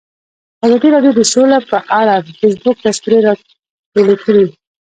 ازادي راډیو د سوله په اړه د فیسبوک تبصرې راټولې کړي.